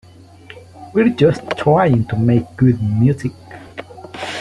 We're just trying to make good music.